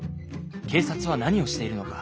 警察は何をしているのか。